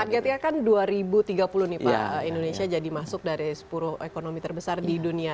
targetnya kan dua ribu tiga puluh nih pak indonesia jadi masuk dari sepuluh ekonomi terbesar di dunia